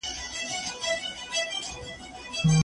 ویده یا بېهوښه کس د چا په حکم کې دی؟